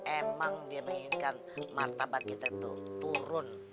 emang dia menginginkan martabat kita itu turun